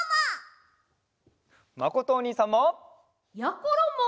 まことおにいさんも！やころも！